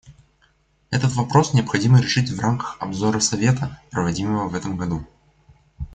Этот вопрос необходимо решить в рамках обзора Совета, проводимого в этом году.